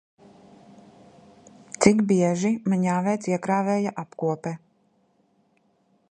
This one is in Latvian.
Cik bieži man jāveic iekrāvēja apkope?